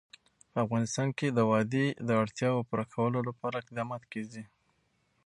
په افغانستان کې د وادي د اړتیاوو پوره کولو لپاره اقدامات کېږي.